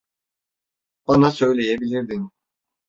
Bana söyleyebilirdin.